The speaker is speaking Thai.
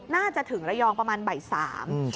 น่าจะถึงระยองประมาณบ่าย๓